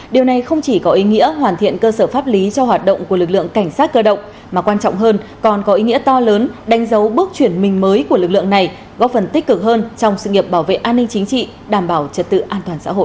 điều này không chỉ có ý nghĩa hoàn thiện cơ sở pháp lý cho hoạt động của lực lượng cảnh sát cơ động mà quan trọng hơn còn có ý nghĩa to lớn đánh dấu bước chuyển mình mới của lực lượng này góp phần tích cực hơn trong sự nghiệp bảo vệ an ninh chính trị đảm bảo trật tự an toàn xã hội